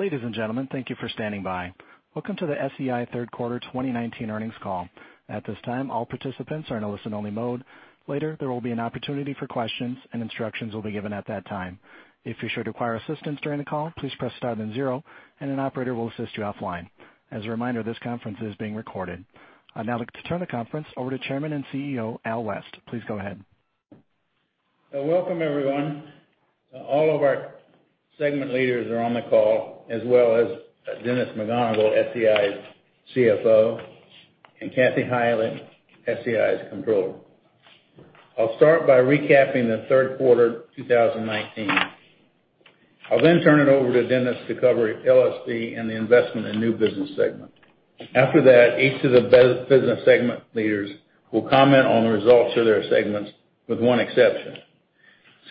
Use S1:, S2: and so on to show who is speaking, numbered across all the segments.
S1: Ladies and gentlemen, thank you for standing by. Welcome to the SEI third quarter 2019 earnings call. At this time, all participants are in a listen-only mode. Later, there will be an opportunity for questions, and instructions will be given at that time. If you should require assistance during the call, please press star then zero, and an operator will assist you offline. As a reminder, this conference is being recorded. I'd now like to turn the conference over to Chairman and CEO, Al West. Please go ahead.
S2: Welcome, everyone. All of our segment leaders are on the call, as well as Dennis McGonigle, SEI's CFO, and Kathy Heilig, SEI's Controller. I'll start by recapping the third quarter 2019. I'll then turn it over to Dennis to cover LSV and the investment in new business segment. After that, each of the business segment leaders will comment on the results of their segments, with one exception.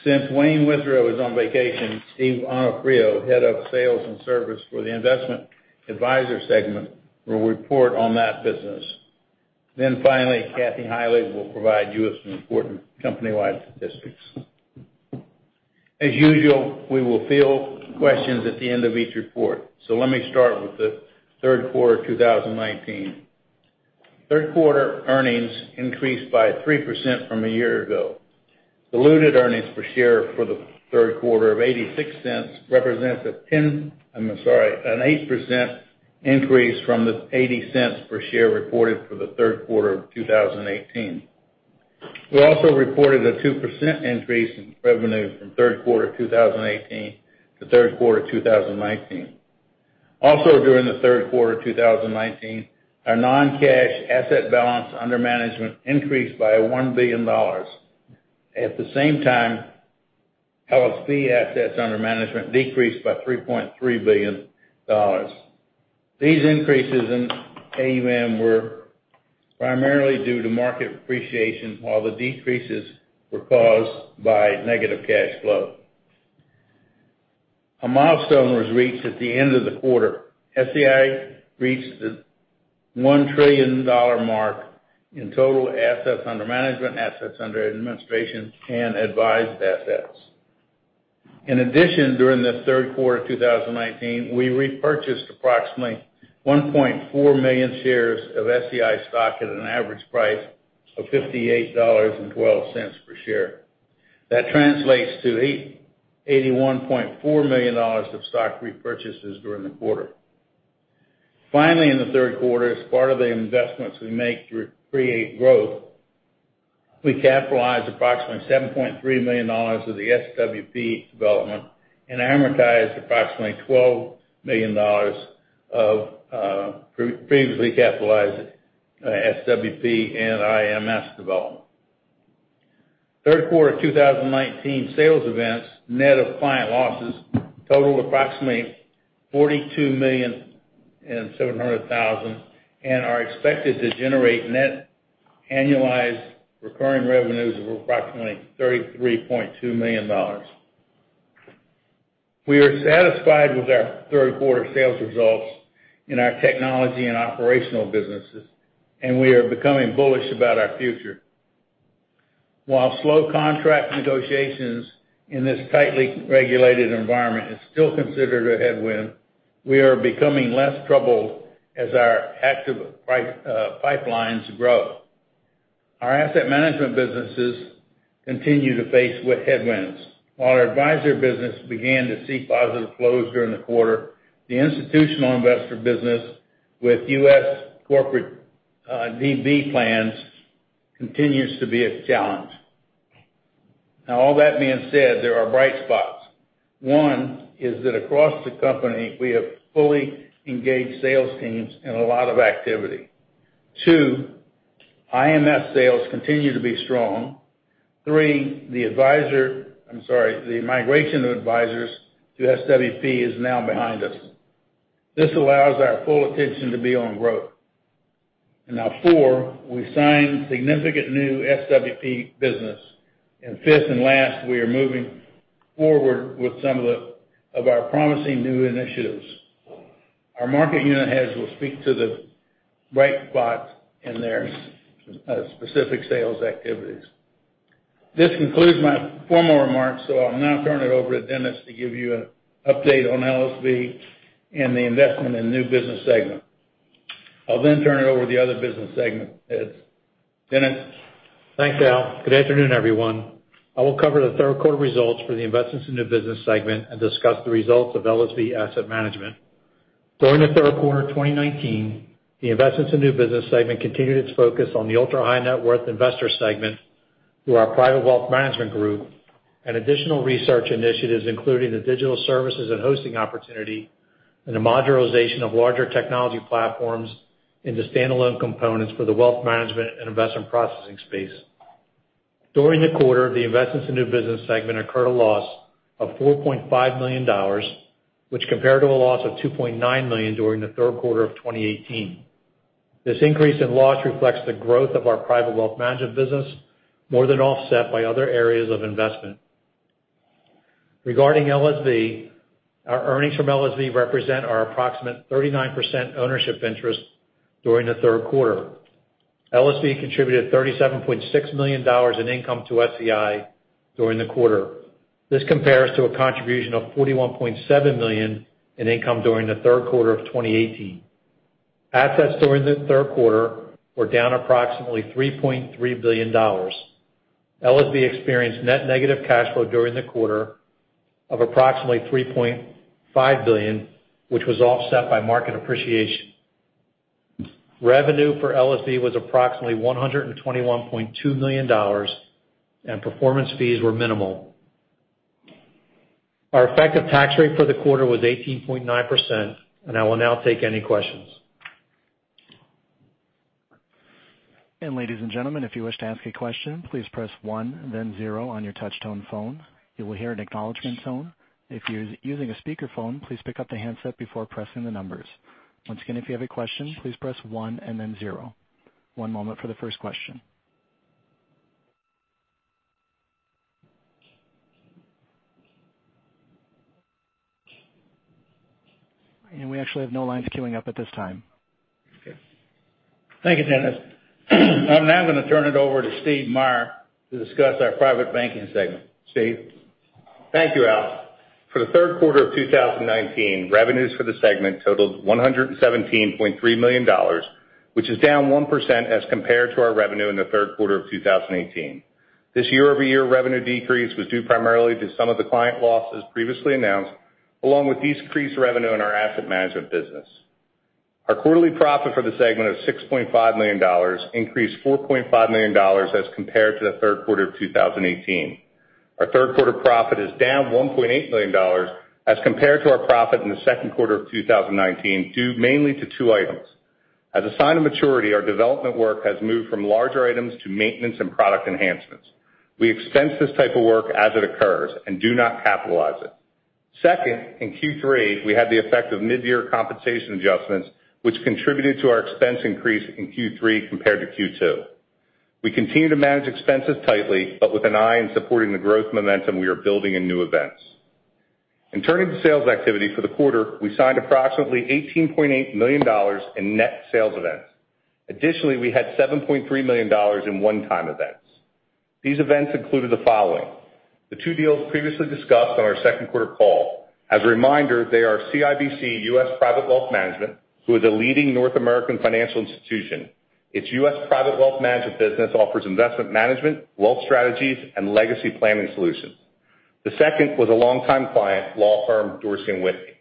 S2: Since Wayne Withrow is on vacation, Steve Onofrio, head of sales and service for the Investment Advisor segment, will report on that business. Finally, Kathy Heilig will provide you with some important company-wide statistics. As usual, we will field questions at the end of each report. Let me start with the third quarter 2019. Third quarter earnings increased by 3% from a year ago. Diluted earnings per share for the third quarter of $0.86 represents an 8% increase from the $0.80 per share reported for the third quarter of 2018. We also reported a 2% increase in revenue from third quarter 2018 to third quarter 2019. Also during the third quarter 2019, our non-cash asset balance under management increased by $1 billion. At the same time, LSV assets under management decreased by $3.3 billion. These increases in AUM were primarily due to market appreciation, while the decreases were caused by negative cash flow. A milestone was reached at the end of the quarter. SEI reached the $1 trillion mark in total assets under management, assets under administration, and advised assets. In addition, during the third quarter 2019, we repurchased approximately 1.4 million shares of SEI stock at an average price of $58.12 per share. That translates to $81.4 million of stock repurchases during the quarter. Finally, in the third quarter, as part of the investments we make to create growth, we capitalized approximately $7.3 million of the SWP development and amortized approximately $12 million of previously capitalized SWP and IMS development. Third quarter 2019 sales events net of client losses totaled approximately $42.7 million, and are expected to generate net annualized recurring revenues of approximately $33.2 million. We are satisfied with our third quarter sales results in our technology and operational businesses, and we are becoming bullish about our future. While slow contract negotiations in this tightly regulated environment is still considered a headwind, we are becoming less troubled as our active pipelines grow. Our asset management businesses continue to face headwinds. While our advisor business began to see positive flows during the quarter, the institutional investor business with U.S. corporate DB plans continues to be a challenge. All that being said, there are bright spots. One is that across the company, we have fully engaged sales teams and a lot of activity. Two, IMS sales continue to be strong. Three, the migration of advisors to SWP is now behind us. This allows our full attention to be on growth. Four, we signed significant new SWP business. Fifth and last, we are moving forward with some of our promising new initiatives. Our market unit heads will speak to the bright spots in their specific sales activities. This concludes my formal remarks, I'll now turn it over to Dennis to give you an update on LSV and the investment in new business segment. I'll turn it over to the other business segment heads. Dennis?
S3: Thanks, Al. Good afternoon, everyone. I will cover the third quarter results for the Investments in New Business Segment and discuss the results of LSV Asset Management. During the third quarter of 2019, the Investments in New Business Segment continued its focus on the ultra-high net worth investor segment through our private wealth management group and additional research initiatives, including the digital services and hosting opportunity and the modularization of larger technology platforms into standalone components for the wealth management and investment processing space. During the quarter, the Investments in New Business Segment incurred a loss of $4.5 million, which compared to a loss of $2.9 million during the third quarter of 2018. This increase in loss reflects the growth of our private wealth management business, more than offset by other areas of investment. Regarding LSV, our earnings from LSV represent our approximate 39% ownership interest during the third quarter. LSV contributed $37.6 million in income to SEI during the quarter. This compares to a contribution of $41.7 million in income during the third quarter of 2018. Assets during the third quarter were down approximately $3.3 billion. LSV experienced net negative cash flow during the quarter of approximately $3.5 billion, which was offset by market appreciation. Revenue for LSV was approximately $121.2 million, and performance fees were minimal. Our effective tax rate for the quarter was 18.9%. I will now take any questions.
S1: Ladies and gentlemen, if you wish to ask a question, please press one, then zero on your touch-tone phone. You will hear an acknowledgment tone. If you're using a speakerphone, please pick up the handset before pressing the numbers. Once again, if you have a question, please press one and then zero. One moment for the first question. We actually have no lines queuing up at this time.
S2: Okay. Thank you, Dennis. I'm now going to turn it over to Steve Meyer to discuss our private banking segment. Steve?
S4: Thank you, Al. For the third quarter of 2019, revenues for the segment totaled $117.3 million, which is down 1% as compared to our revenue in the third quarter of 2018. This year-over-year revenue decrease was due primarily to some of the client losses previously announced, along with decreased revenue in our asset management business. Our quarterly profit for the segment of $6.5 million increased $4.5 million as compared to the third quarter of 2018. Our third quarter profit is down $1.8 million as compared to our profit in the second quarter of 2019, due mainly to two items. As a sign of maturity, our development work has moved from larger items to maintenance and product enhancements. We expense this type of work as it occurs and do not capitalize it. Second, in Q3, we had the effect of mid-year compensation adjustments, which contributed to our expense increase in Q3 compared to Q2. We continue to manage expenses tightly, but with an eye in supporting the growth momentum we are building in new events. Turning to sales activity for the quarter, we signed approximately $18.8 million in net sales events. Additionally, we had $7.3 million in one-time events. These events included the following. The two deals previously discussed on our second quarter call. As a reminder, they are CIBC Private Wealth Management, who is a leading North American financial institution. Its US Private Wealth Management business offers investment management, wealth strategies, and legacy planning solutions. The second was a longtime client, law firm Dorsey & Whitney.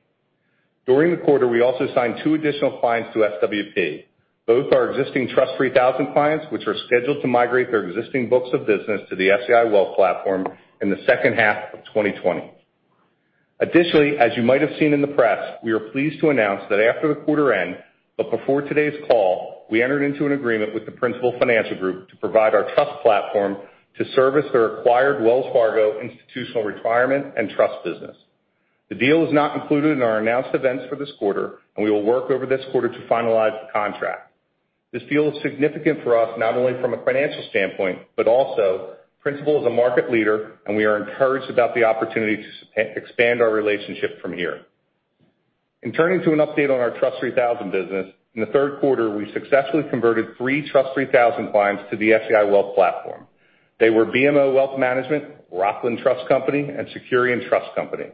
S4: During the quarter, we also signed two additional clients to SWP, both our existing TRUST 3000 clients, which are scheduled to migrate their existing books of business to the SEI Wealth Platform in the second half of 2020. As you might have seen in the press, we are pleased to announce that after the quarter end, but before today's call, we entered into an agreement with the Principal Financial Group to provide our trust platform to service their acquired Wells Fargo institutional retirement and trust business. The deal is not included in our announced events for this quarter, and we will work over this quarter to finalize the contract. This deal is significant for us not only from a financial standpoint, but also Principal is a market leader, and we are encouraged about the opportunity to expand our relationship from here. In turning to an update on our Trust 3000 business, in the third quarter, we successfully converted three Trust 3000 clients to the SEI Wealth Platform. They were BMO Wealth Management, Rockland Trust Company, and Securian Trust Company.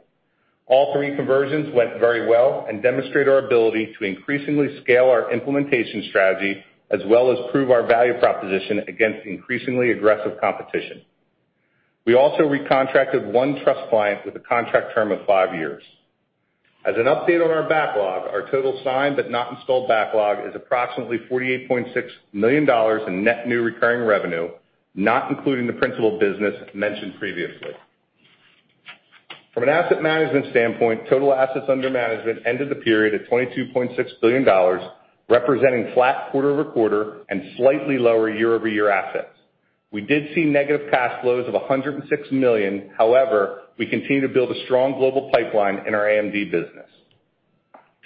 S4: All three conversions went very well and demonstrate our ability to increasingly scale our implementation strategy, as well as prove our value proposition against increasingly aggressive competition. We also recontracted one trust client with a contract term of five years. As an update on our backlog, our total signed but not installed backlog is approximately $48.6 million in net new recurring revenue, not including the Principal business mentioned previously. From an asset management standpoint, total assets under management ended the period at $22.6 billion, representing flat quarter-over-quarter and slightly lower year-over-year assets. We did see negative cash flows of $106 million. However, we continue to build a strong global pipeline in our AMD business.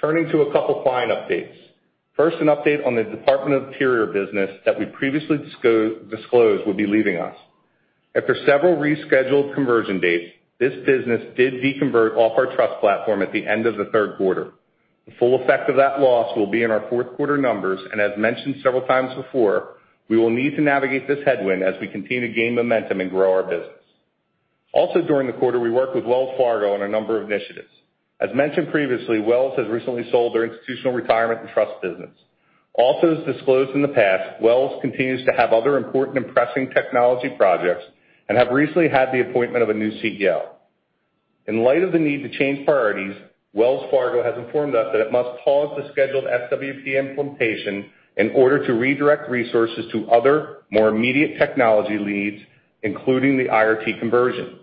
S4: Turning to a couple of client updates. First, an update on the Department of the Interior business that we previously disclosed would be leaving us. After several rescheduled conversion dates, this business did deconvert off our trust platform at the end of the third quarter. The full effect of that loss will be in our fourth quarter numbers, and as mentioned several times before, we will need to navigate this headwind as we continue to gain momentum and grow our business. Also during the quarter, we worked with Wells Fargo on a number of initiatives. As mentioned previously, Wells has recently sold their institutional retirement and trust business. Also, as disclosed in the past, Wells continues to have other important and pressing technology projects and have recently had the appointment of a new CDO. In light of the need to change priorities, Wells Fargo has informed us that it must pause the scheduled SWP implementation in order to redirect resources to other, more immediate technology leads, including the IRT conversion.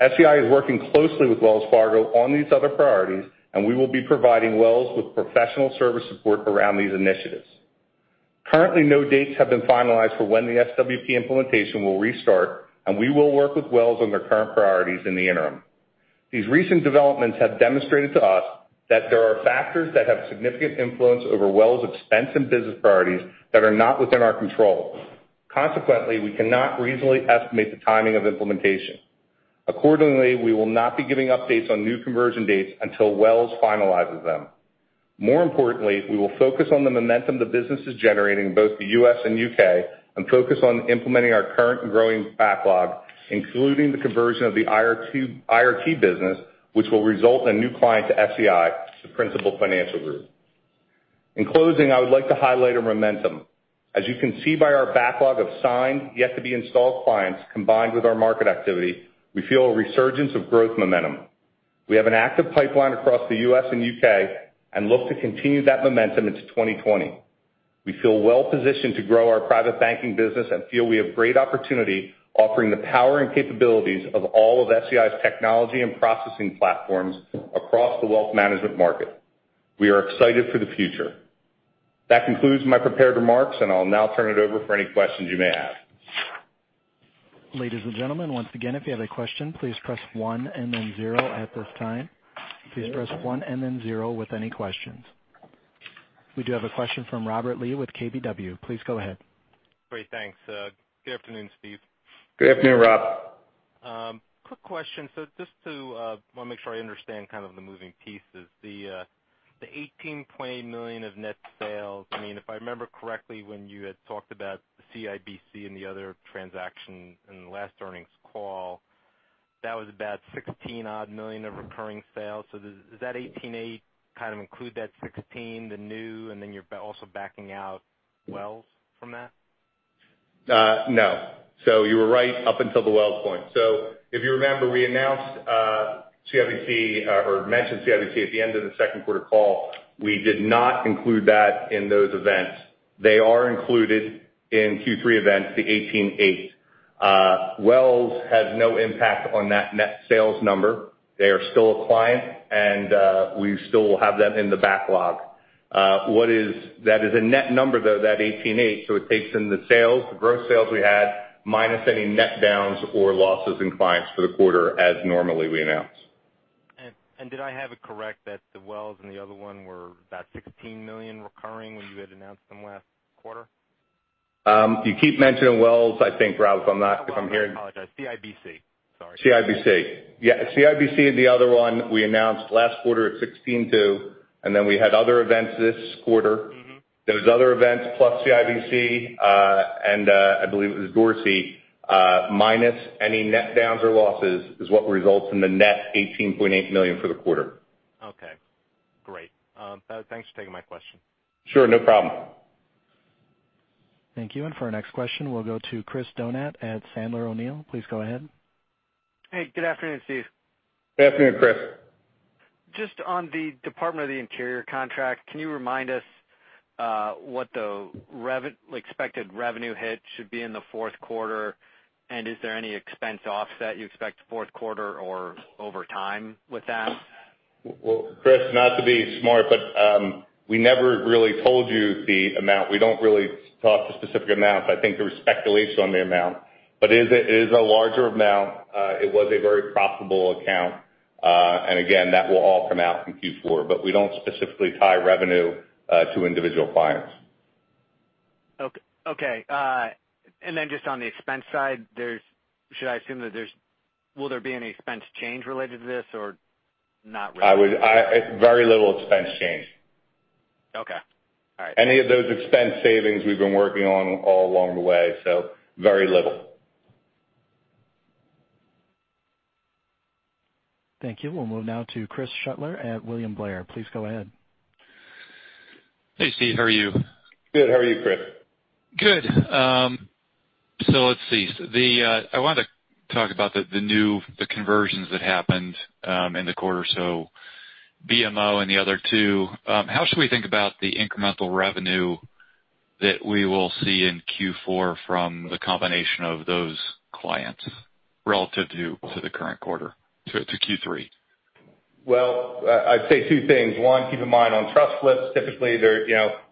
S4: SEI is working closely with Wells Fargo on these other priorities, and we will be providing Wells with professional service support around these initiatives. Currently, no dates have been finalized for when the SWP implementation will restart, and we will work with Wells on their current priorities in the interim. These recent developments have demonstrated to us that there are factors that have significant influence over Wells' expense and business priorities that are not within our control. Consequently, we cannot reasonably estimate the timing of implementation. Accordingly, we will not be giving updates on new conversion dates until Wells finalizes them. More importantly, we will focus on the momentum the business is generating in both the U.S. and U.K., and focus on implementing our current and growing backlog, including the conversion of the IRT business, which will result in new client to SEI, to Principal Financial Group. In closing, I would like to highlight our momentum. As you can see by our backlog of signed, yet-to-be-installed clients, combined with our market activity, we feel a resurgence of growth momentum. We have an active pipeline across the U.S. and U.K. and look to continue that momentum into 2020. We feel well-positioned to grow our private banking business and feel we have great opportunity offering the power and capabilities of all of SEI's technology and processing platforms across the wealth management market. We are excited for the future. That concludes my prepared remarks. I'll now turn it over for any questions you may have.
S1: Ladies and gentlemen, once again, if you have a question, please press one and then zero at this time. Please press one and then zero with any questions. We do have a question from Robert Lee with KBW. Please go ahead.
S5: Great. Thanks. Good afternoon, Steve.
S4: Good afternoon, Rob.
S5: Quick question. Just to make sure I understand the moving pieces. The $18.8 million of net sales, if I remember correctly, when you had talked about CIBC and the other transaction in the last earnings call, that was about $16-odd million of recurring sales. Does that $18.8 include that $16, the new, and then you're also backing out Wells from that?
S4: No. You were right up until the Wells point. If you remember, we announced CIBC, or mentioned CIBC at the end of the second quarter call. We did not include that in those events. They are included in Q3 events, the $18.8. Wells has no impact on that net sales number. They are still a client and we still have them in the backlog. That is a net number, though, that $18.8. It takes in the sales, the gross sales we had, minus any net downs or losses in clients for the quarter as normally we announce.
S5: Did I have it correct that the Wells and the other one were about $16 million recurring when you had announced them last quarter?
S4: You keep mentioning Wells, I think, Rob. If I'm hearing-
S5: I apologize. CIBC. Sorry.
S4: CIBC. Yeah. CIBC and the other one we announced last quarter at 16 too, and then we had other events this quarter. Those other events plus CIBC, and I believe it was Dorsey, minus any net downs or losses is what results in the net $18.8 million for the quarter.
S5: Okay. Great. Thanks for taking my question.
S4: Sure. No problem.
S1: Thank you. For our next question, we'll go to Chris Donat at Sandler O'Neill. Please go ahead.
S6: Hey. Good afternoon, Steve.
S4: Good afternoon, Chris.
S6: Just on the Department of the Interior contract, can you remind us what the expected revenue hit should be in the fourth quarter, and is there any expense offset you expect fourth quarter or over time with that?
S4: Well, Chris, not to be smart, we never really told you the amount. We don't really talk to specific amounts. I think there was speculation on the amount. It is a larger amount. It was a very profitable account. Again, that will all come out in Q4. We don't specifically tie revenue to individual clients.
S6: Okay. Then just on the expense side, should I assume that will there be any expense change related to this or not really?
S4: Very little expense change.
S6: Okay. All right.
S4: Any of those expense savings we've been working on all along the way. Very little.
S1: Thank you. We'll move now to Chris Shutler at William Blair. Please go ahead.
S7: Hey, Steve. How are you?
S4: Good. How are you, Chris?
S7: Good. Let's see. I wanted to talk about the new conversions that happened in the quarter. BMO and the other two, how should we think about the incremental revenue that we will see in Q4 from the combination of those clients relative to the current quarter, to Q3?
S4: Well, I'd say two things. One, keep in mind on trust lifts, typically,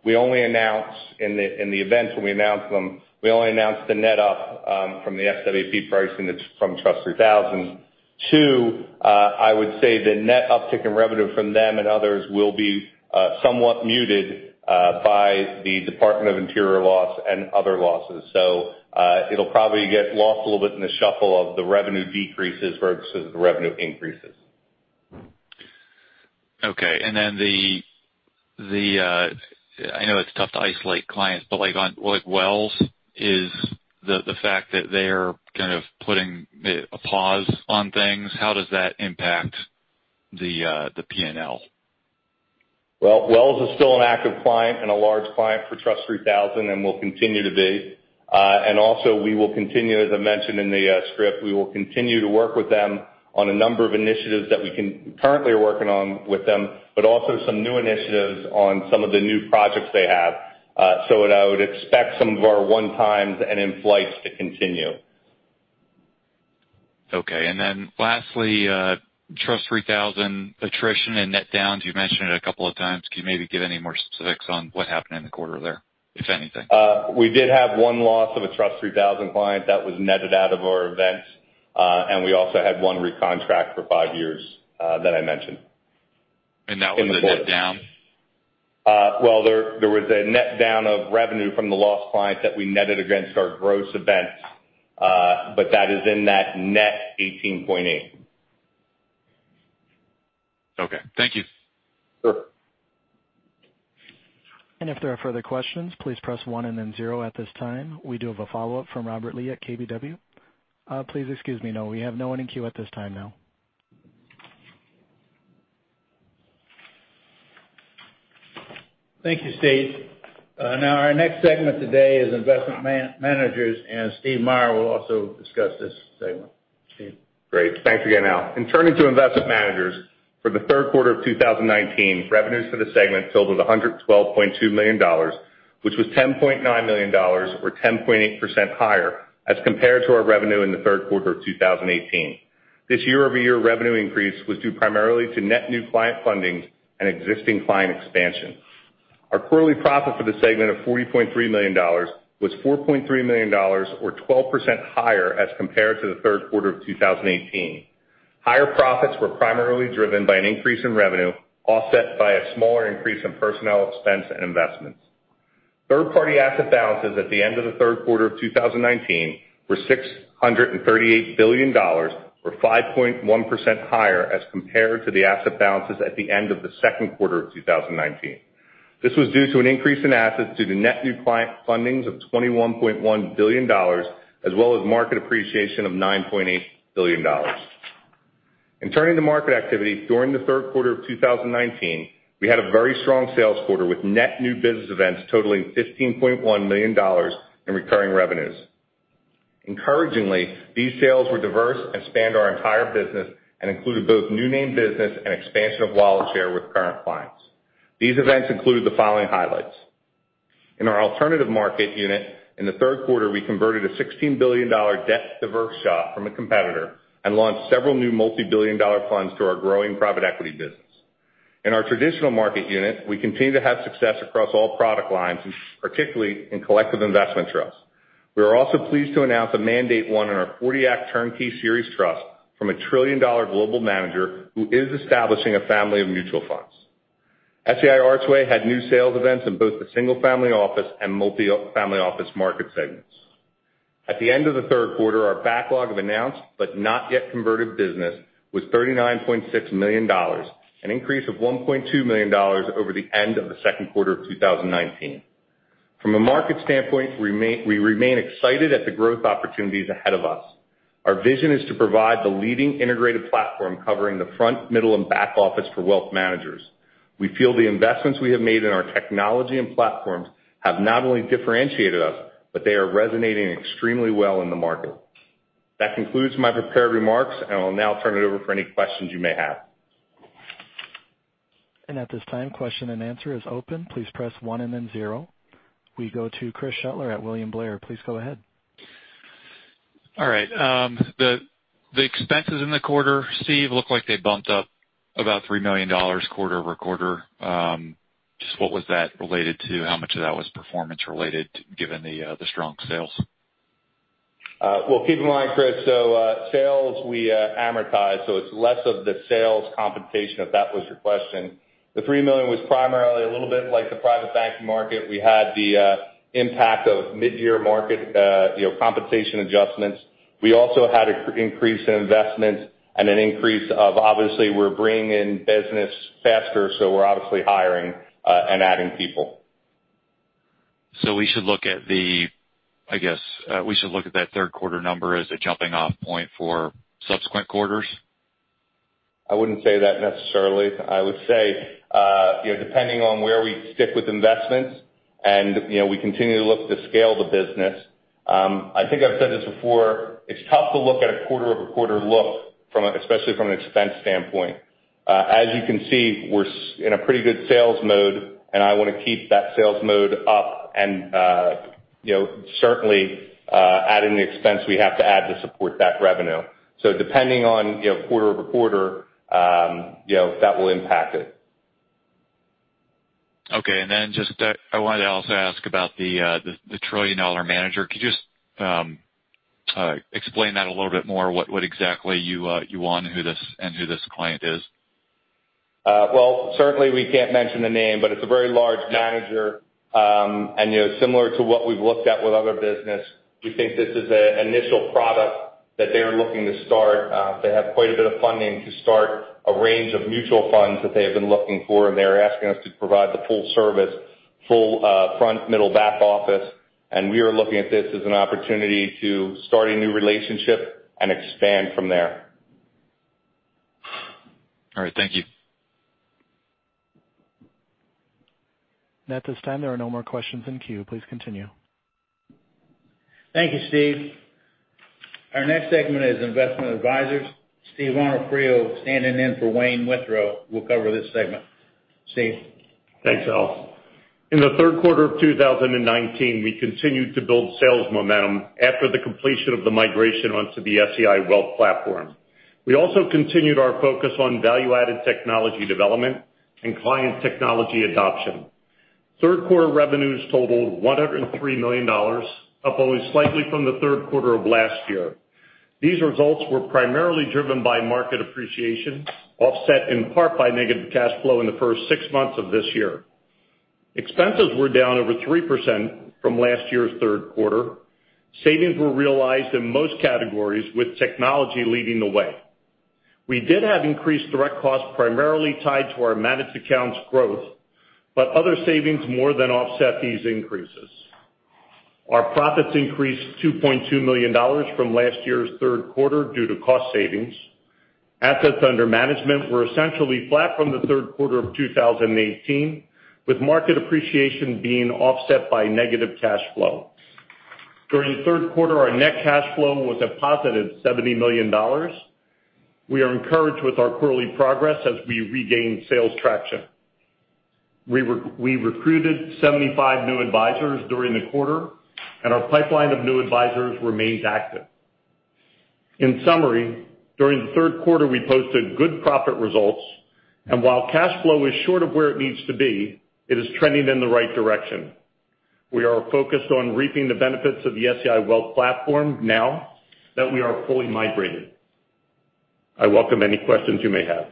S4: we only announce in the events when we announce them. We only announce the net up from the SWP pricing that's from TRUST 3000. Two, I would say the net uptick in revenue from them and others will be somewhat muted by the Department of the Interior loss and other losses. It'll probably get lost a little bit in the shuffle of the revenue decreases versus the revenue increases.
S7: Okay. I know it's tough to isolate clients, but like Wells, is the fact that they are kind of putting a pause on things, how does that impact the P&L?
S4: Well, Wells is still an active client and a large client for TRUST 3000 and will continue to be. We will continue, as I mentioned in the script, we will continue to work with them on a number of initiatives that we currently are working on with them, but also some new initiatives on some of the new projects they have. I would expect some of our one-times and in-flights to continue.
S7: Okay. Lastly, TRUST 3000 attrition and net downs, you've mentioned it a couple of times. Can you maybe give any more specifics on what happened in the quarter there, if anything?
S4: We did have one loss of a TRUST 3000 client that was netted out of our events. We also had one recontract for five years that I mentioned.
S7: That was a net down?
S4: Well, there was a net down of revenue from the lost clients that we netted against our gross events, but that is in that net $18.8.
S7: Okay, thank you.
S4: Sure.
S1: If there are further questions, please press one and then zero at this time. We do have a follow-up from Robert Lee at KBW. Please excuse me. No, we have no one in queue at this time now.
S2: Thank you, Steve. Now our next segment today is investment managers, and Steve Meyer will also discuss this segment. Steve.
S4: Great. Thanks again, Al. In turning to Investment Managers, for the third quarter of 2019, revenues for the segment totaled $112.2 million, which was $10.9 million or 10.8% higher as compared to our revenue in the third quarter of 2018. This year-over-year revenue increase was due primarily to net new client funding and existing client expansion. Our quarterly profit for the segment of $40.3 million was $4.3 million or 12% higher as compared to the third quarter of 2018. Higher profits were primarily driven by an increase in revenue, offset by a smaller increase in personnel expense and investments. Third-party asset balances at the end of the third quarter of 2019 were $638 billion, or 5.1% higher as compared to the asset balances at the end of the second quarter of 2019. This was due to an increase in assets due to net new client fundings of $21.1 billion, as well as market appreciation of $9.8 billion. In turning to market activity, during the third quarter of 2019, we had a very strong sales quarter with net new business events totaling $15.1 million in recurring revenues. Encouragingly, these sales were diverse and spanned our entire business and included both new name business and expansion of wallet share with current clients. These events include the following highlights. In our alternative market unit in the third quarter, we converted a $16 billion diverse shop from a competitor and launched several new multibillion-dollar funds to our growing private equity business. In our traditional market unit, we continue to have success across all product lines, particularly in Collective Investment Trusts. We are also pleased to announce a mandate one in our 40 Act turnkey series trust from a $1 trillion-dollar global manager who is establishing a family of mutual funds. SEI Archway had new sales events in both the single family office and multifamily office market segments. At the end of the third quarter, our backlog of announced but not yet converted business was $39.6 million, an increase of $1.2 million over the end of the second quarter of 2019. From a market standpoint, we remain excited at the growth opportunities ahead of us. Our vision is to provide the leading integrated platform covering the front, middle, and back office for wealth managers. We feel the investments we have made in our technology and platforms have not only differentiated us, but they are resonating extremely well in the market. That concludes my prepared remarks. I'll now turn it over for any questions you may have.
S1: At this time, question and answer is open. Please press one and then zero. We go to Chris Shutler at William Blair. Please go ahead.
S7: All right. The expenses in the quarter, Steve, look like they bumped up about $3 million quarter-over-quarter. Just what was that related to? How much of that was performance related given the strong sales?
S4: Well, keep in mind, Chris, so sales we amortize, so it's less of the sales compensation, if that was your question. The $3 million was primarily a little bit like the private banking market. We had the impact of mid-year market compensation adjustments. We also had an increase in investments and an increase of, obviously, we're bringing in business faster, so we're obviously hiring and adding people.
S7: We should look at the, I guess, we should look at that third quarter number as a jumping-off point for subsequent quarters?
S4: I wouldn't say that necessarily. I would say, depending on where we stick with investments and we continue to look to scale the business. I think I've said this before. It's tough to look at a quarter-over-quarter look, especially from an expense standpoint. As you can see, we're in a pretty good sales mode, and I want to keep that sales mode up and certainly adding the expense we have to add to support that revenue. Depending on quarter-over-quarter, that will impact it.
S7: Okay, I wanted to also ask about the trillion-dollar manager. Could you explain that a little bit more, what exactly you won and who this client is?
S4: Well, certainly we can't mention the name, but it's a very large manager. Similar to what we've looked at with other business, we think this is an initial product that they are looking to start. They have quite a bit of funding to start a range of mutual funds that they have been looking for, and they are asking us to provide the full service, full front, middle, back office. We are looking at this as an opportunity to start a new relationship and expand from there.
S7: All right. Thank you.
S1: At this time, there are no more questions in queue. Please continue.
S2: Thank you, Steve. Our next segment is investment advisors. Stephen Onofrio, standing in for Wayne Withrow, will cover this segment. Steve.
S8: Thanks, Al. In the third quarter of 2019, we continued to build sales momentum after the completion of the migration onto the SEI Wealth Platform. We also continued our focus on value-added technology development and client technology adoption. Third quarter revenues totaled $103 million, up only slightly from the third quarter of last year. These results were primarily driven by market appreciation, offset in part by negative cash flow in the first six months of this year. Expenses were down over 3% from last year's third quarter. Savings were realized in most categories, with technology leading the way. We did have increased direct costs, primarily tied to our managed accounts growth, but other savings more than offset these increases. Our profits increased $2.2 million from last year's third quarter due to cost savings. Assets under management were essentially flat from the third quarter of 2018, with market appreciation being offset by negative cash flow. During the third quarter, our net cash flow was a positive $70 million. We are encouraged with our quarterly progress as we regain sales traction. We recruited 75 new advisors during the quarter, and our pipeline of new advisors remains active. In summary, during the third quarter, we posted good profit results, and while cash flow is short of where it needs to be, it is trending in the right direction. We are focused on reaping the benefits of the SEI Wealth Platform now that we are fully migrated. I welcome any questions you may have.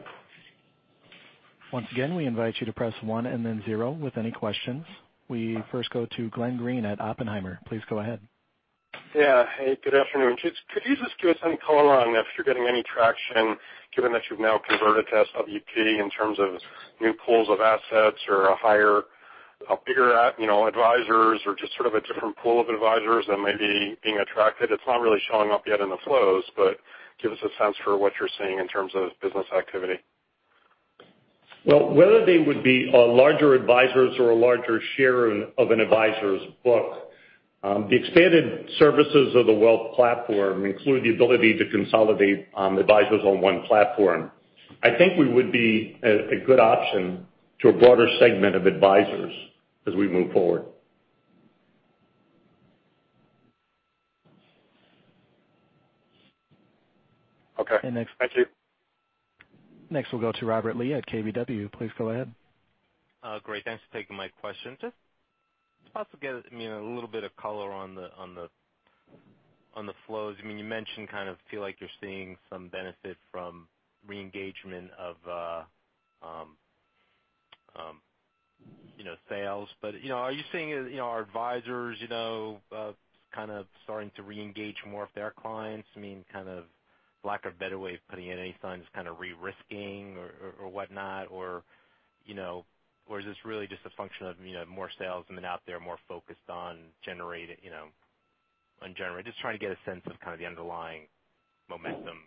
S1: Once again, we invite you to press one and then zero with any questions. We first go to Glenn Greene at Oppenheimer. Please go ahead.
S9: Yeah. Hey, good afternoon. Could you just give us any color on if you're getting any traction, given that you've now converted to SWP in terms of new pools of assets or a higher, bigger advisors or just sort of a different pool of advisors that may be being attracted? It's not really showing up yet in the flows, but give us a sense for what you're seeing in terms of business activity.
S8: Well, whether they would be a larger advisors or a larger share of an advisor's book, the expanded services of the Wealth Platform include the ability to consolidate advisors on one platform. I think we would be a good option to a broader segment of advisors as we move forward.
S9: Okay.
S1: And next-
S9: Thank you.
S1: Next, we'll go to Robert Lee at KBW. Please go ahead.
S5: Great. Thanks for taking my question. If I could get a little bit of color on the flows. You mentioned kind of feel like you're seeing some benefit from re-engagement of sales. Are you seeing, are advisors kind of starting to re-engage more of their clients? I mean, kind of lack of a better way of putting it, any signs kind of re-risking or whatnot, or is this really just a function of more salesmen out there more focused on generating? Trying to get a sense of kind of the underlying momentum.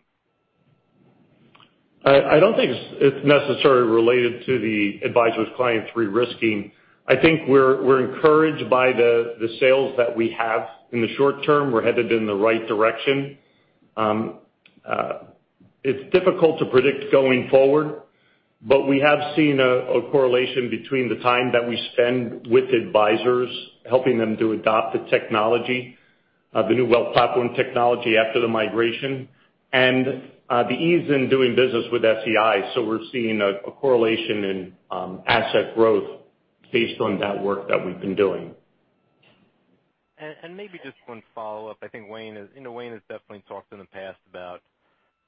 S8: I don't think it's necessarily related to the advisor's clients re-risking. I think we're encouraged by the sales that we have in the short term. We're headed in the right direction. It's difficult to predict going forward, but we have seen a correlation between the time that we spend with advisors, helping them to adopt the technology of the new SEI Wealth Platform technology after the migration, and the ease in doing business with SEI. We're seeing a correlation in asset growth based on that work that we've been doing.
S5: Maybe just one follow-up. I think Wayne has definitely talked in the past about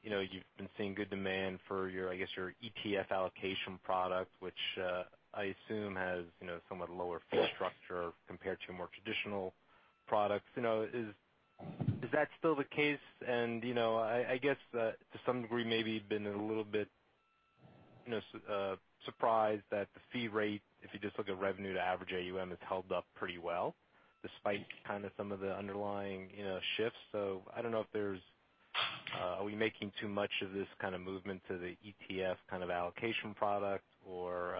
S5: you've been seeing good demand for your, I guess, your ETF allocation product, which I assume has somewhat lower fee structure compared to more traditional products. Is that still the case? I guess, to some degree, maybe been a little bit surprised that the fee rate, if you just look at revenue to average AUM, has held up pretty well despite kind of some of the underlying shifts. Are we making too much of this kind of movement to the ETF kind of allocation product or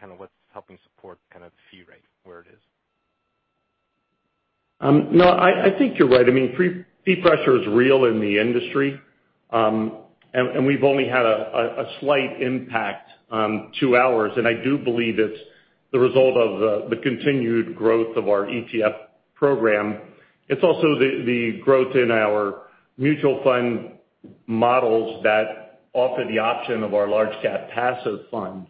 S5: kind of what's helping support kind of fee rate where it is?
S8: I think you're right. Fee pressure is real in the industry. We've only had a slight impact to ours, and I do believe it's the result of the continued growth of our ETF program. It's also the growth in our mutual fund models that offer the option of our large cap passive fund.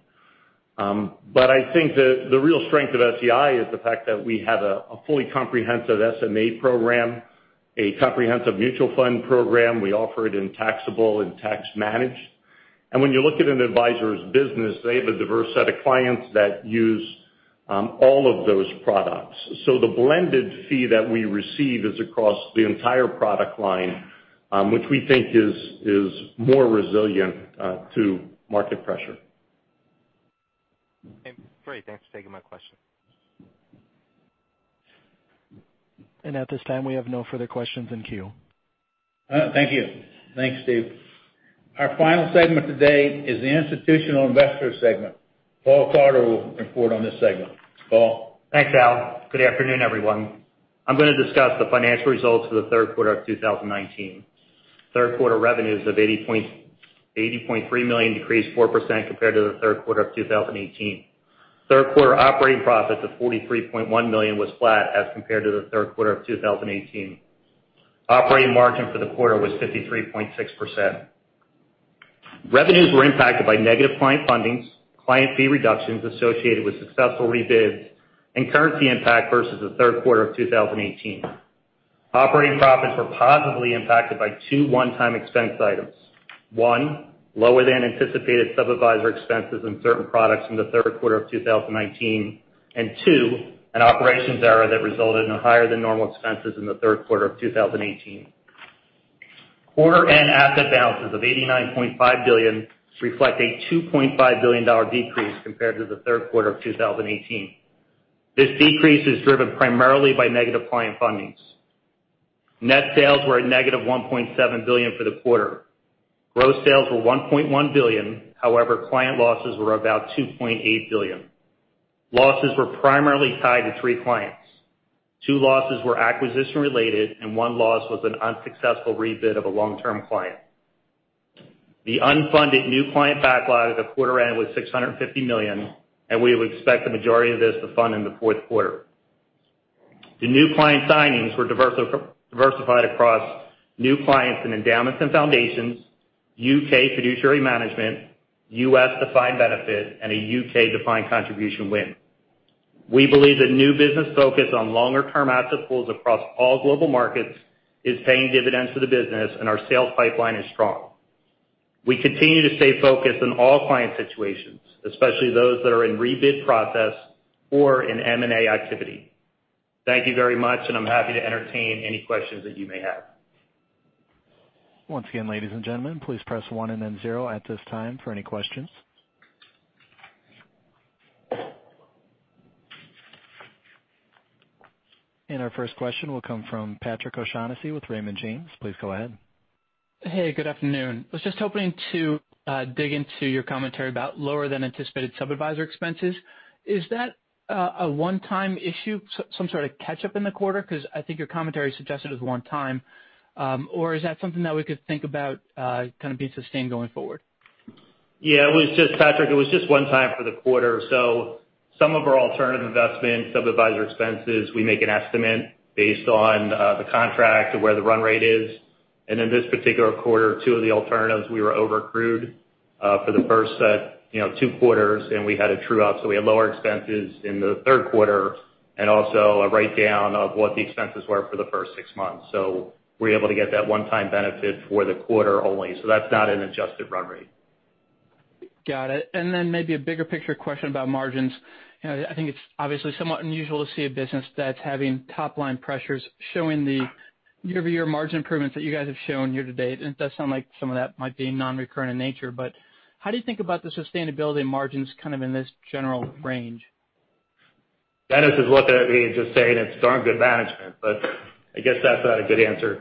S8: I think that the real strength of SEI is the fact that we have a fully comprehensive SMA program, a comprehensive mutual fund program. We offer it in taxable and tax-managed. When you look at an advisor's business, they have a diverse set of clients that use all of those products. The blended fee that we receive is across the entire product line, which we think is more resilient to market pressure.
S5: Great. Thanks for taking my question.
S1: At this time, we have no further questions in queue.
S2: Thank you. Thanks, Steve. Our final segment today is the institutional investor segment. Paul Klauder will report on this segment. Paul?
S10: Thanks, Al. Good afternoon, everyone. I'm going to discuss the financial results for the third quarter of 2019. Third quarter revenues of $80.3 million decreased 4% compared to the third quarter of 2018. Third quarter operating profits of $43.1 million was flat as compared to the third quarter of 2018. Operating margin for the quarter was 53.6%. Revenues were impacted by negative client fundings, client fee reductions associated with successful rebids, and currency impact versus the third quarter of 2018. Operating profits were positively impacted by two one-time expense items. One, lower than anticipated sub-advisor expenses in certain products in the third quarter of 2019. Two, an operations error that resulted in higher than normal expenses in the third quarter of 2018. Quarter end asset balances of $89.5 billion reflect a $2.5 billion decrease compared to the third quarter of 2018. This decrease is driven primarily by negative client fundings. Net sales were a negative $1.7 billion for the quarter. Gross sales were $1.1 billion. Client losses were about $2.8 billion. Losses were primarily tied to three clients. Two losses were acquisition-related, and one loss was an unsuccessful rebid of a long-term client. The unfunded new client backlog at the quarter end was $650 million, and we would expect the majority of this to fund in the fourth quarter. The new client signings were diversified across new clients in endowments and foundations, U.K. fiduciary management, U.S. defined benefit, and a U.K. defined contribution win. We believe the new business focus on longer-term asset pools across all global markets is paying dividends to the business and our sales pipeline is strong. We continue to stay focused on all client situations, especially those that are in rebid process or in M&A activity. Thank you very much, and I'm happy to entertain any questions that you may have.
S1: Once again, ladies and gentlemen, please press one and then zero at this time for any questions. Our first question will come from Patrick O'Shaughnessy with Raymond James. Please go ahead.
S11: Hey, good afternoon. I was just hoping to dig into your commentary about lower than anticipated sub-advisor expenses. Is that a one-time issue, some sort of catch-up in the quarter? I think your commentary suggested it was one time. Is that something that we could think about being sustained going forward?
S10: Yeah, Patrick, it was just one time for the quarter. Some of our alternative investment sub-advisor expenses, we make an estimate based on the contract of where the run rate is. In this particular quarter, two of the alternatives, we were over-accrued for the first two quarters, and we had a true out. We had lower expenses in the third quarter and also a write-down of what the expenses were for the first six months. We were able to get that one-time benefit for the quarter only. That's not an adjusted run rate.
S11: Got it. Maybe a bigger picture question about margins. I think it's obviously somewhat unusual to see a business that's having top-line pressures showing the year-over-year margin improvements that you guys have shown year to date. It does sound like some of that might be non-recurring in nature, but how do you think about the sustainability of margins in this general range?
S10: Dennis is looking at me and just saying it's darn good management, but I guess that's not a good answer.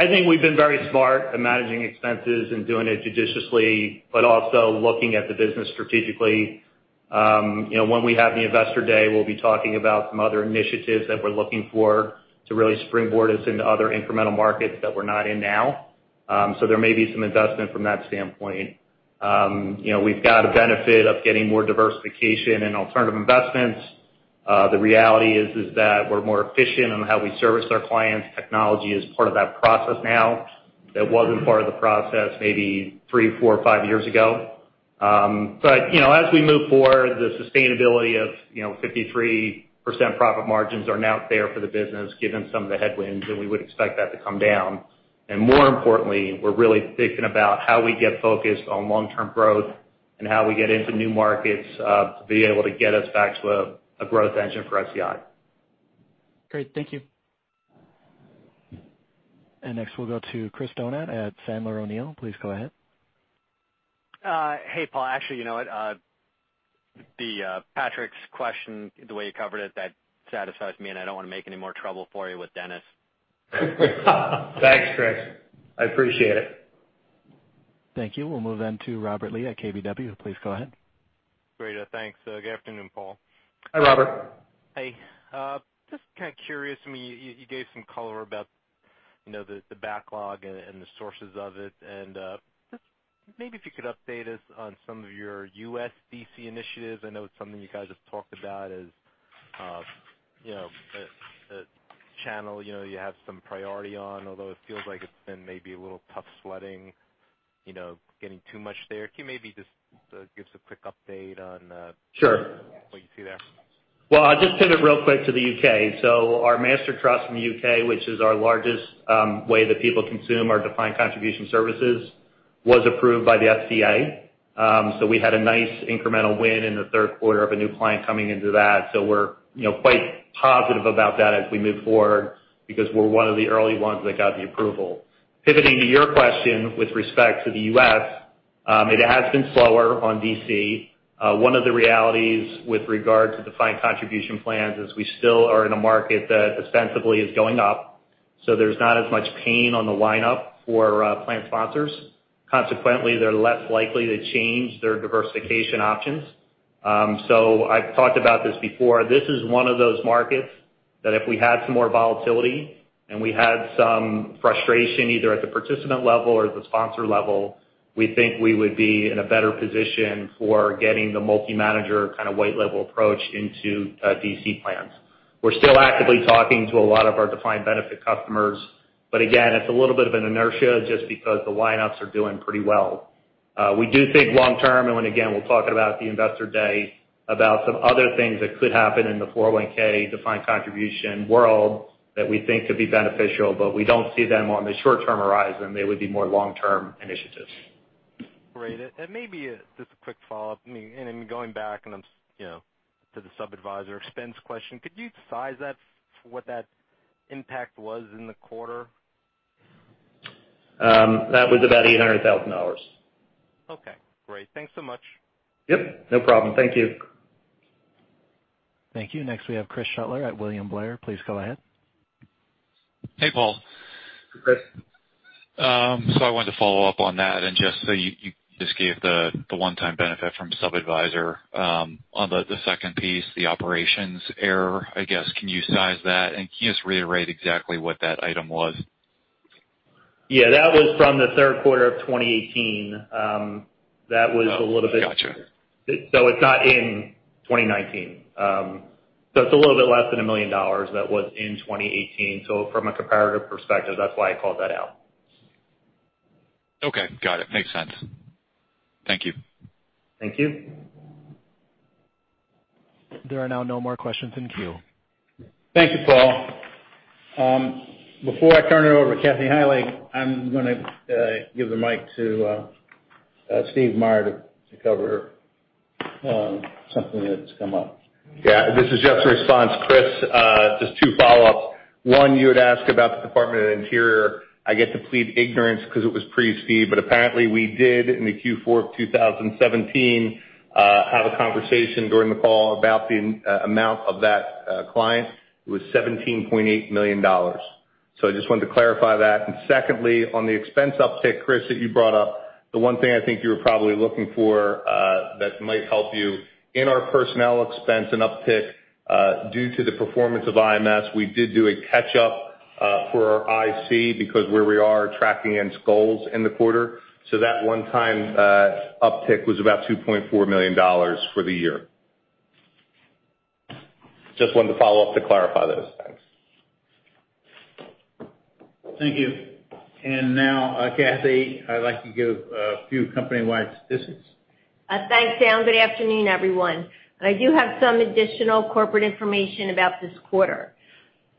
S10: I think we've been very smart at managing expenses and doing it judiciously, but also looking at the business strategically. When we have the Investor Day, we'll be talking about some other initiatives that we're looking for to really springboard us into other incremental markets that we're not in now. There may be some investment from that standpoint. We've got a benefit of getting more diversification in alternative investments. The reality is that we're more efficient in how we service our clients. Technology is part of that process now. That wasn't part of the process maybe three, four, or five years ago. As we move forward, the sustainability of 53% profit margins are now out there for the business, given some of the headwinds, and we would expect that to come down. More importantly, we're really thinking about how we get focused on long-term growth and how we get into new markets to be able to get us back to a growth engine for SEI.
S11: Great. Thank you.
S1: Next, we'll go to Chris Donat at Sandler O'Neill. Please go ahead.
S6: Hey, Paul. Actually, you know what? Patrick's question, the way you covered it, that satisfies me, and I don't want to make any more trouble for you with Dennis.
S10: Thanks, Chris. I appreciate it.
S1: Thank you. We'll move then to Robert Lee at KBW. Please go ahead.
S5: Great. Thanks. Good afternoon, Paul.
S10: Hi, Robert.
S5: Hey. Just curious. You gave some color about the backlog and the sources of it, and just maybe if you could update us on some of your U.S. DC initiatives. I know it's something you guys have talked about as a channel you have some priority on, although it feels like it's been maybe a little tough sledding, getting too much there. Can you maybe just give us a quick update on?
S10: Sure
S5: what you see there?
S10: Well, I'll just pivot real quick to the U.K. Our Master Trust in the U.K., which is our largest way that people consume our defined contribution services, was approved by the FCA. We had a nice incremental win in the third quarter of a new client coming into that. We're quite positive about that as we move forward because we're one of the early ones that got the approval. Pivoting to your question with respect to the U.S., it has been slower on DC. One of the realities with regard to defined contribution plans is we still are in a market that ostensibly is going up. There's not as much pain on the line-up for plan sponsors. Consequently, they're less likely to change their diversification options. I've talked about this before. This is one of those markets that if we had some more volatility and we had some frustration, either at the participant level or at the sponsor level. We think we would be in a better position for getting the multi-manager kind of weight level approach into DC plans. We're still actively talking to a lot of our defined benefit customers. Again, it's a little bit of an inertia just because the line-ups are doing pretty well. We do think long-term. Again, we'll talk about at the investor day about some other things that could happen in the 401(k) defined contribution world that we think could be beneficial. We don't see them on the short-term horizon. They would be more long-term initiatives.
S5: Great. Maybe just a quick follow-up, and then going back to the sub-adviser expense question, could you size that for what that impact was in the quarter?
S10: That was about $800,000.
S5: Okay, great. Thanks so much.
S10: Yep, no problem. Thank you.
S1: Thank you. Next, we have Chris Shutler at William Blair. Please go ahead.
S7: Hey, Paul.
S10: Hi, Chris.
S7: I wanted to follow up on that and just so you just gave the one-time benefit from sub-adviser. On the second piece, the operations error, I guess, can you size that? Can you just reiterate exactly what that item was?
S10: Yeah, that was from the third quarter of 2018.
S7: Oh, got you.
S10: It's not in 2019. It's a little bit less than $1 million that was in 2018. From a comparative perspective, that's why I called that out.
S7: Okay, got it. Makes sense. Thank you.
S10: Thank you.
S1: There are now no more questions in queue.
S2: Thank you, Paul. Before I turn it over to Kathy Heilig, I'm going to give the mic to Steve Meyer to cover something that's come up.
S4: Yeah, this is just a response, Chris. Just two follow-ups. One, you had asked about the Department of the Interior. I get to plead ignorance because it was pre-Steve, apparently we did, in the Q4 of 2017, have a conversation during the call about the amount of that client. It was $17.8 million. I just wanted to clarify that. Secondly, on the expense uptick, Chris, that you brought up, the one thing I think you were probably looking for that might help you, in our personnel expense and uptick, due to the performance of IMS, we did do a catch-up for our IC because where we are tracking against goals in the quarter. That one-time uptick was about $2.4 million for the year. Just wanted to follow up to clarify those things.
S2: Thank you. Now, Kathy, I'd like to give a few company-wide statistics.
S12: Thanks, Al. Good afternoon, everyone. I do have some additional corporate information about this quarter.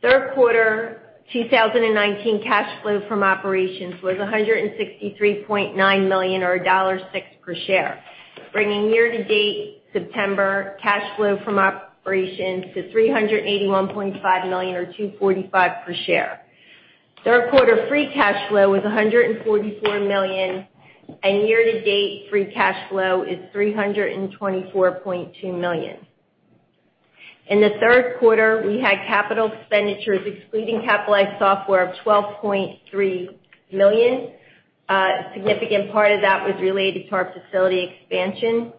S12: Third quarter 2019 cash flow from operations was $163.9 million, or $1.06 per share, bringing year-to-date September cash flow from operations to $381.5 million, or $2.45 per share. Third quarter free cash flow was $144 million, and year-to-date free cash flow is $324.2 million. In the third quarter, we had capital expenditures excluding capitalized software of $12.3 million. A significant part of that was related to our facility expansion.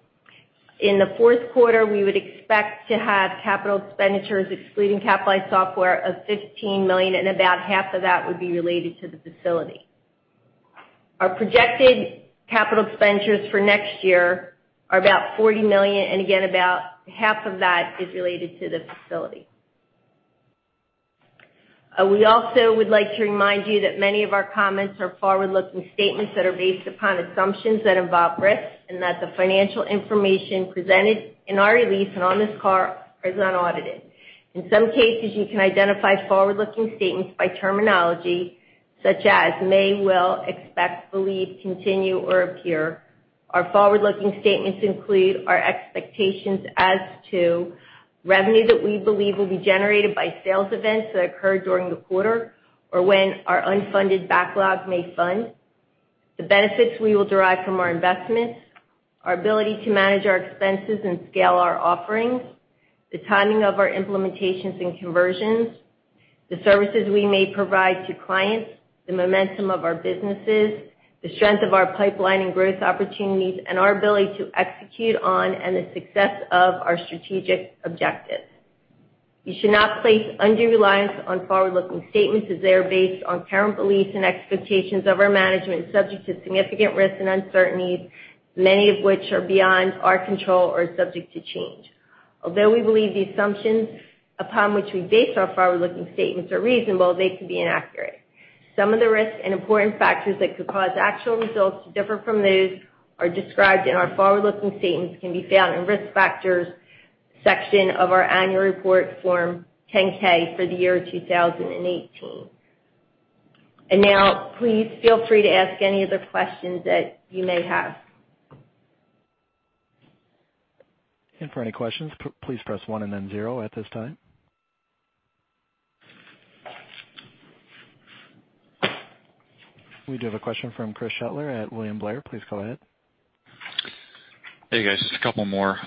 S12: In the fourth quarter, we would expect to have capital expenditures excluding capitalized software of $15 million, and about half of that would be related to the facility. Our projected capital expenditures for next year are about $40 million, and again, about half of that is related to the facility. We also would like to remind you that many of our comments are forward-looking statements that are based upon assumptions that involve risks, and that the financial information presented in our release and on this call is unaudited. In some cases, you can identify forward-looking statements by terminology such as may, will, expect, believe, continue, or appear. Our forward-looking statements include our expectations as to revenue that we believe will be generated by sales events that occur during the quarter or when our unfunded backlog may fund, the benefits we will derive from our investments, our ability to manage our expenses and scale our offerings, the timing of our implementations and conversions, the services we may provide to clients, the momentum of our businesses, the strength of our pipeline and growth opportunities, and our ability to execute on and the success of our strategic objectives. You should not place undue reliance on forward-looking statements as they are based on current beliefs and expectations of our management, subject to significant risks and uncertainties, many of which are beyond our control or subject to change. Although we believe the assumptions upon which we base our forward-looking statements are reasonable, they could be inaccurate. Some of the risks and important factors that could cause actual results to differ from those are described in our forward-looking statements can be found in Risk Factors Section of our annual report Form 10-K for the year 2018. Now, please feel free to ask any other questions that you may have.
S1: For any questions, please press one and then zero at this time. We do have a question from Chris Shutler at William Blair. Please go ahead.
S7: Hey, guys. Just a couple more.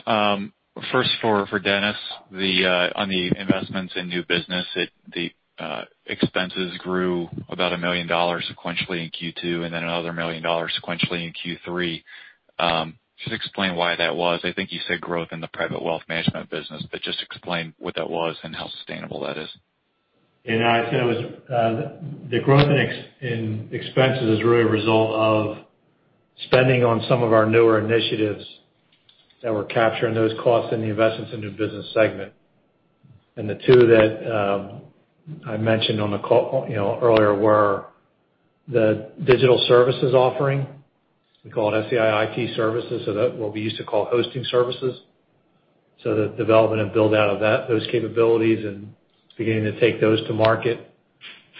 S7: First for Dennis, on the investments in new business, the expenses grew about $1 million sequentially in Q2, and then another $1 million sequentially in Q3. Just explain why that was. I think you said growth in the private wealth management business, but just explain what that was and how sustainable that is.
S3: I said the growth in expenses is really a result of spending on some of our newer initiatives that we're capturing those costs and the investments in new business segment. The two that I mentioned on the call earlier were the digital services offering, we call it SEI IT Services, so that what we used to call hosting services. The development and build-out of those capabilities and beginning to take those to market,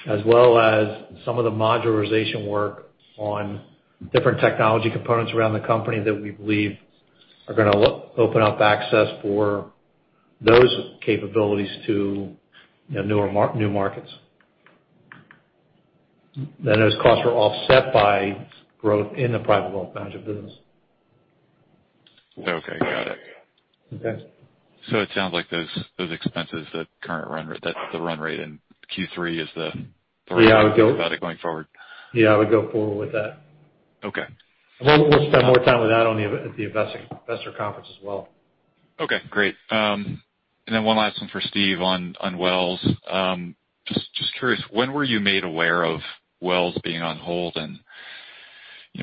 S3: as well as some of the modularization work on different technology components around the company that we believe are going to open up access for those capabilities to new markets. Those costs are offset by growth in the private wealth management business.
S7: Okay, got it.
S3: Okay.
S7: it sounds like those expenses, the current run rate, that's the run rate in Q3 is.
S3: Yeah
S7: going forward.
S3: Yeah, I would go forward with that.
S7: Okay.
S3: We'll spend more time with that at the investor conference as well.
S7: Okay, great. One last one for Steve on Wells. Just curious, when were you made aware of Wells being on hold, and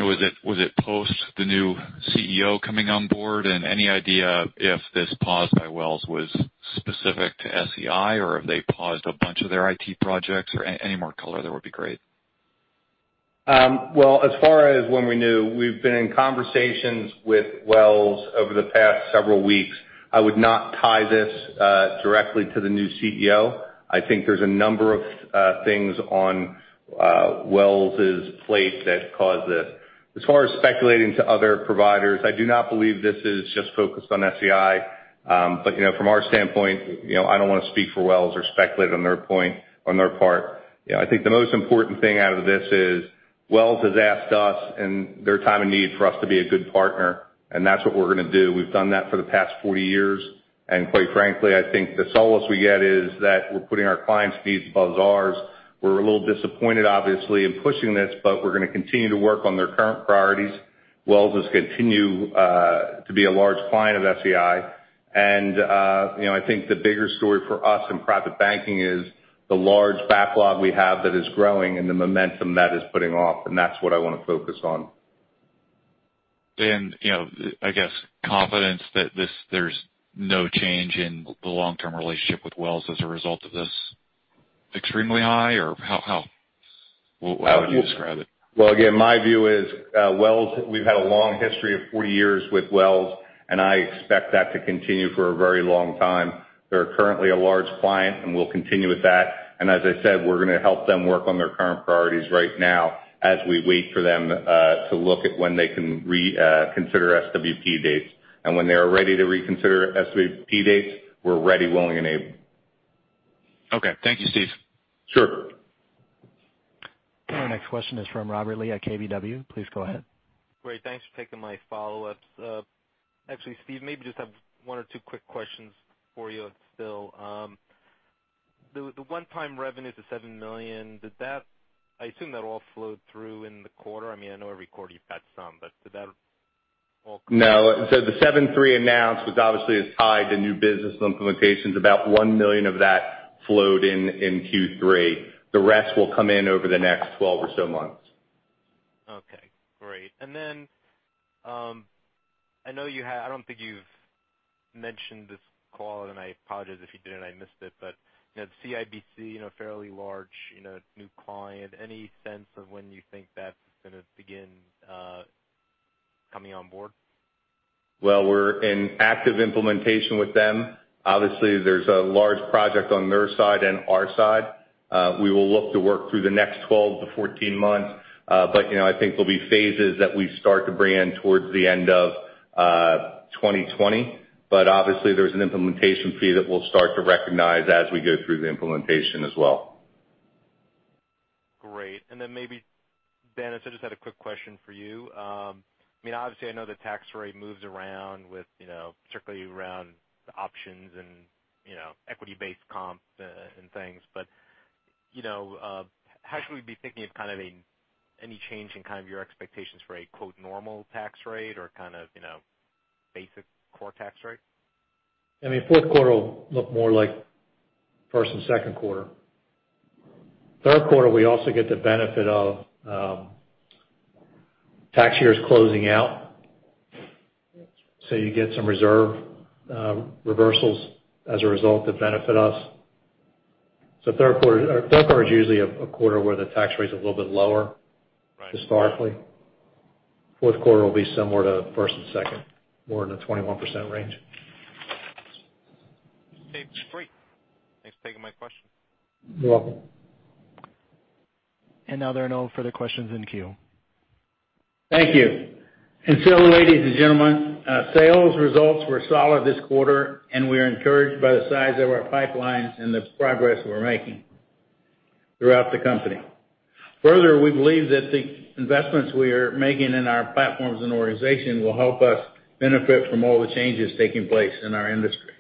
S7: was it post the new ceo coming on board? Any idea if this pause by Wells was specific to SEI, or have they paused a bunch of their IT projects? Any more color there would be great.
S4: Well, as far as when we knew, we've been in conversations with Wells Fargo over the past several weeks. I would not tie this directly to the new CEO. I think there's a number of things on Wells Fargo's plate that caused this. As far as speculating to other providers, I do not believe this is just focused on SEI. From our standpoint, I don't want to speak for Wells Fargo or speculate on their point, on their part. I think the most important thing out of this is Wells Fargo has asked us in their time of need for us to be a good partner, and that's what we're going to do. We've done that for the past 40 years, and quite frankly, I think the solace we get is that we're putting our clients' needs above ours. We're a little disappointed, obviously, in pushing this, we're going to continue to work on their current priorities. Wells is continue to be a large client of SEI. I think the bigger story for us in private banking is the large backlog we have that is growing and the momentum that is putting off, and that's what I want to focus on.
S7: I guess confidence that there's no change in the long-term relationship with Wells as a result of this extremely high or how would you describe it?
S4: Well, again, my view is we've had a long history of 40 years with Wells, I expect that to continue for a very long time. They are currently a large client, we'll continue with that. As I said, we're going to help them work on their current priorities right now as we wait for them to look at when they can reconsider SWP dates. When they are ready to reconsider SWP dates, we're ready, willing, and able.
S7: Okay. Thank you, Steve.
S4: Sure.
S1: Our next question is from Robert Lee at KBW. Please go ahead.
S5: Great. Thanks for taking my follow-ups. Actually, Steve, maybe just have one or two quick questions for you still. The one-time revenues of $7 million, I assume that all flowed through in the quarter. I know every quarter you've had some.
S4: No. The $7.3 announced, which obviously is tied to new business implementations, about $1 million of that flowed in Q3. The rest will come in over the next 12 or so months.
S5: Okay, great. I don't think you've mentioned this call, and I apologize if you did and I missed it, but the CIBC, fairly large new client. Any sense of when you think that's going to begin coming on board?
S4: Well, we're in active implementation with them. Obviously, there's a large project on their side and our side. We will look to work through the next 12-14 months. I think there'll be phases that we start to bring in towards the end of 2020. Obviously, there's an implementation fee that we'll start to recognize as we go through the implementation as well.
S5: Great. Maybe, Den, I just had a quick question for you. Obviously, I know the tax rate moves around with, particularly around the options and equity-based comp and things. How should we be thinking of any change in your expectations for a "normal tax rate" or basic core tax rate?
S3: Fourth quarter will look more like first and second quarter. Third quarter, we also get the benefit of tax years closing out. You get some reserve reversals as a result that benefit us. Third quarter is usually a quarter where the tax rate is a little bit lower.
S5: Right
S3: historically. Fourth quarter will be similar to first and second, more in the 21% range.
S5: Great. Thanks for taking my question.
S3: You're welcome.
S1: Now there are no further questions in queue.
S2: Thank you. Ladies and gentlemen, sales results were solid this quarter, and we are encouraged by the size of our pipeline and the progress we're making throughout the company. Further, we believe that the investments we are making in our platforms and organization will help us benefit from all the changes taking place in our industry.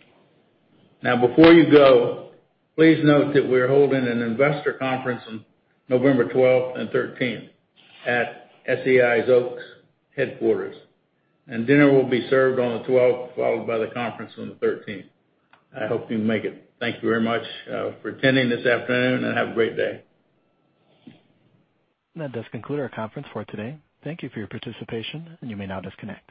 S2: Now, before you go, please note that we're holding an investor conference on November 12th and 13th at SEI's Oaks headquarters. Dinner will be served on the 12th, followed by the conference on the 13th. I hope you can make it. Thank you very much for attending this afternoon, and have a great day.
S1: That does conclude our conference for today. Thank you for your participation. You may now disconnect.